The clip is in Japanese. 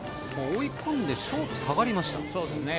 追い込んでショート下がりました。